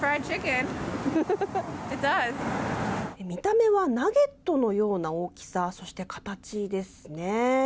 見た目はナゲットのような大きさ、そして形ですね。